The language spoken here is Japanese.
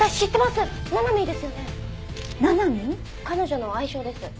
彼女の愛称です。